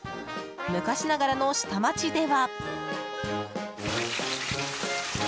昔ながらの下町では。